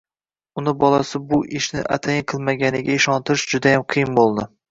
uni bolasi bu ishni atayin qilmaganiga ishontirish judayam qiyin bo‘ldi.